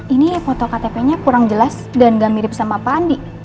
ini foto ktp nya kurang jelas dan gak mirip sama pandi